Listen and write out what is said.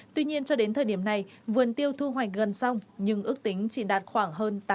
tuy nhiên cho đến thời điểm này vườn tiêu thu hoạch gần xong nhưng ước tính chỉ đạt khoảng hơn tám mươi